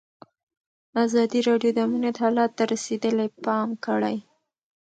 ازادي راډیو د امنیت حالت ته رسېدلي پام کړی.